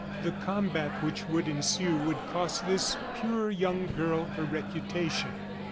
The combat which would ensue would cost this pure young girl her reputation.